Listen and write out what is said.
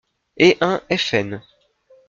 et un f.n.